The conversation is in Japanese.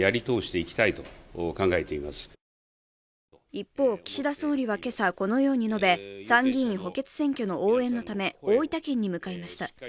一方、岸田総理は今朝このように述べ、参議院補欠選挙の応援のため大分県に向かいました。